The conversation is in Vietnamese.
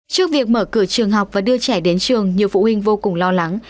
trước việc mở cửa trường học và đưa trẻ đến trường nhiều phụ huynh vô cùng lo lắng